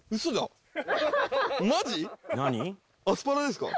アスパラですか？